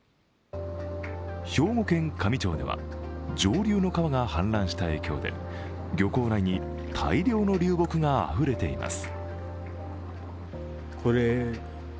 兵庫県香美町では上流の川が氾濫した影響で漁港内に大量の流木があふれています。